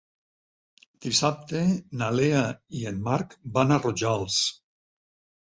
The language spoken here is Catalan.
Dissabte na Lea i en Marc van a Rojals.